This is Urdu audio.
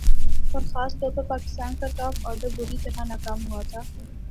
اور خاص طور پر پاکستان کا ٹاپ آرڈر بری طرح ناکام ہوا تھا